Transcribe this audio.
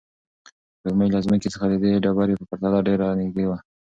سپوږمۍ له ځمکې څخه د دې ډبرې په پرتله ډېره نږدې ده.